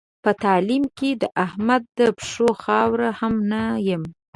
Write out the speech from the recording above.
په تعلیم کې د احمد د پښو خاوره هم نه یم.